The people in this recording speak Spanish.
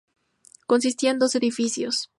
Consistía en dos edificios.